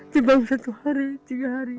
tiba satu hari tiga hari